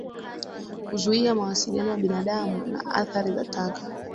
Kuzuia mawasiliano ya binadamu na athari za taka